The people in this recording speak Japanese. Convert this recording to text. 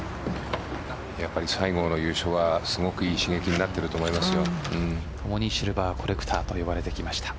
やっぱり西郷の優勝はすごくいい刺激に共にシルバーコレクターと呼ばれてきました。